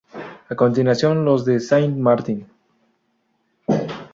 A continuación los de Saint Martín.